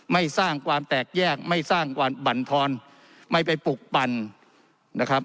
ไม่สร้างความแตกแยกไม่สร้างความบรรทอนไม่ไปปลุกปั่นนะครับ